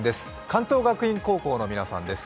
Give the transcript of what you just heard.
関東学院高校の皆さんです。